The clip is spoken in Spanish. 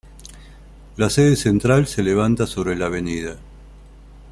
La sede central se levanta sobre la Av.